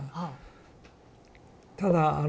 ただあの